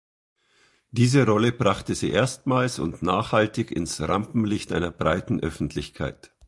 Diese Rolle brachte sie erstmals und nachhaltig ins Rampenlicht einer breiten Öffentlichkeit.